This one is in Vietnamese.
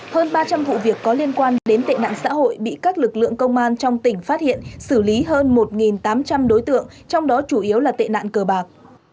hơn ba trăm linh vụ việc có liên quan đến tệ nạn xã hội bị các lực lượng công an trong tỉnh phát hiện xử lý hơn một tám trăm linh đối tượng trong đó chủ yếu là tệ nạn cờ bạc